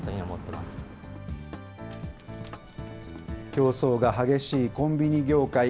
競争が激しいコンビニ業界。